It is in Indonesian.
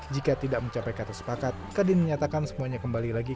jika tidak mencapai kata sepakat kadin menyatakan semuanya kembali lagi